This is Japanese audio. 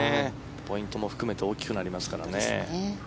ポイントも含めて大きくなりますからね。